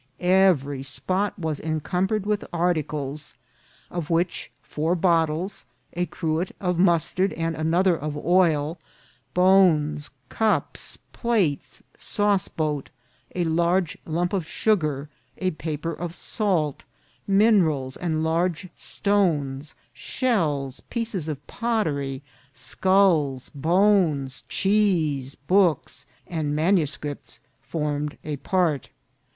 Every spot was encumbered with articles, of which four bottles, a cruet of mustard and another of oil, bones, cups, plates, sauce boat, a large lump of su gar, a paper of salt, minerals and large stones, shells, pieces of pottery, sculls, bones, cheese, books, and man uscripts formed part.